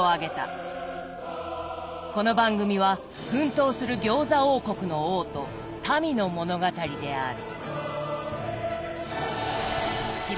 この番組は奮闘する餃子王国の王と民の物語である。